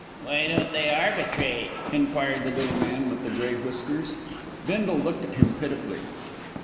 "Why don't they arbitrate?" enquired the little man with the grey whiskers. Bindle looked at him pitifully.